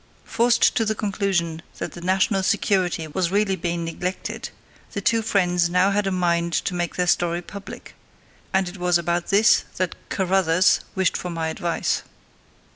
Forced to the conclusion that the national security was really being neglected, the two friends now had a mind to make their story public; and it was about this that "Carruthers" wished for my advice.